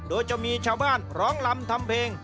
โดยจะมีชาวบ้านร้องลำทำเพลง